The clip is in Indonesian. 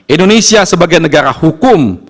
indonesia sebagai negara hukum